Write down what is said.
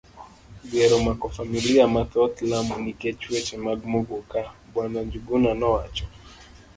Dhier omako familia mathoth Lamu nikech weche mag Muguka, bw. Njuguna nowacho.